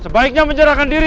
sebaiknya menyerahkan diri